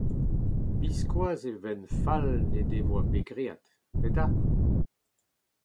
Biskoazh he fenn fall n’he devoa bet graet !… Petra ?…